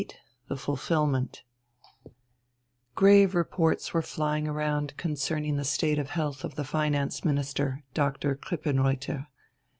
VIII THE FULFILMENT Grave reports were flying around concerning the state of health of the Finance Minister, Doctor Krippenreuther.